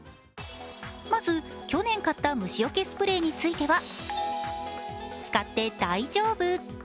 まず去年買った虫よけスプレーについては、使って大丈夫。